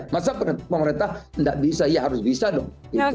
masa pemerintah tidak bisa ya harus bisa dong